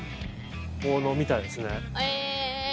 ここみたいですね。